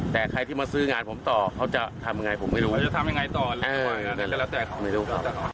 แต่ใครที่มาซื้องานต่อมันจะทำยังไงผมไม่รู้